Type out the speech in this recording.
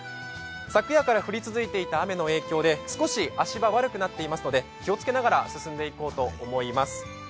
昨夜から降り続いていた雨の影響で少し足場、悪くなっていますので気をつけながら進んでいこうと思います。